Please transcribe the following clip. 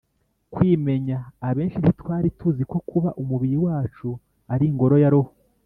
kwimenya: abenshi ntitwari tuzi ko kuba umubiri wacu ari ingoro ya roho